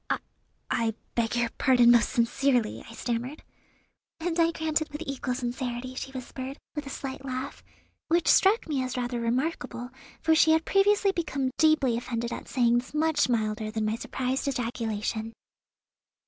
"I I beg your pardon most sincerely," I stammered. "And I grant it with equal sincerity," she whispered, with a slight laugh, which struck me as rather remarkable, for she had previously become deeply offended at sayings much milder than my surprised ejaculation.